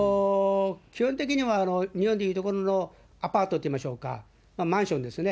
日本で言うところのアパートと言いましょうか、マンションですね。